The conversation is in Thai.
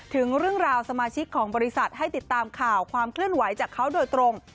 ถึงเรื่องราวสมาชิกของบริษัทให้ติดตามข่าวความเคลื่อนไหวจากเขาโดยตรง